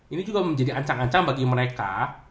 ini juga menjadi ancang ancang bagi mereka